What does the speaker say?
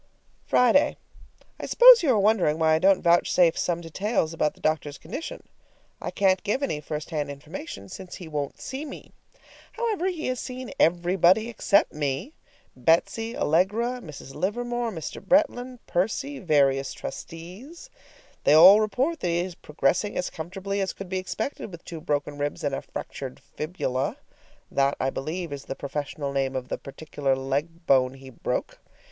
Friday. I suppose you are wondering why I don't vouchsafe some details about the doctor's condition. I can't give any first hand information, since he won't see me. However, he has seen everybody except me Betsy, Allegra, Mrs. Livermore, Mr. Bretland, Percy, various trustees. They all report that he is progressing as comfortably as could be expected with two broken ribs and a fractured fibula. That, I believe, is the professional name of the particular leg bone he broke.